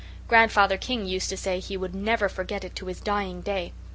Grandfather King used to say he would never forget it to his dying day.